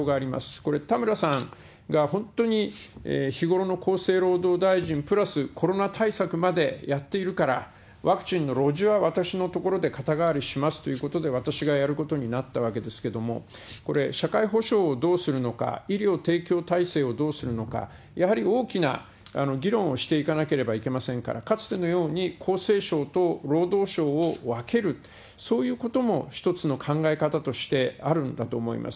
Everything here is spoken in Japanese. これ、田村さんが本当に日頃の厚生労働大臣プラスコロナ対策までやっているから、ワクチンのロジは私のところで肩代わりしますということで、私がやることになったわけですけれども、これ、社会保障をどうするのか、医療提供体制をどうするのか、やはり大きな議論をしていかなければいけませんから、かつてのように厚生省と労働省を分ける、そういうことも一つの考え方としてあるんだと思います。